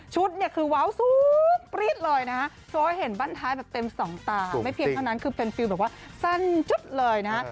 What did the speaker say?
เนี่ยคือว้าวสูงปรี๊ดเลยนะฮะโซเห็นบ้านท้ายแบบเต็มสองตาไม่เพียงเท่านั้นคือเป็นฟิลแบบว่าสั้นชุดเลยนะฮะ